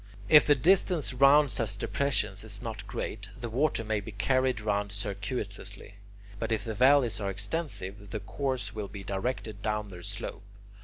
If the distance round such depressions is not great, the water may be carried round circuitously; but if the valleys are extensive, the course will be directed down their slope.